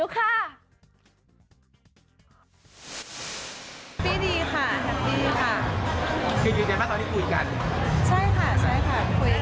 สัมภัณฑ์เสียงดูค่ะ